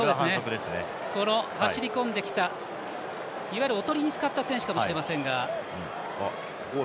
走りこんできた、いわゆるオトリに使った選手かもしれませんが。